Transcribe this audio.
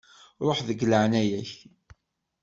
Ruḥ, deg leɛnaya-k.